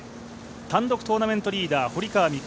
単独トーナメントリーダー堀川未来